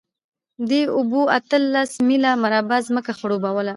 دې اوبو اتلس میله مربع ځمکه خړوبوله.